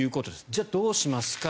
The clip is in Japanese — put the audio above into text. じゃあどうしますか。